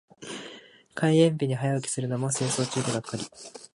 開園日に早起きするも清掃中でがっかり。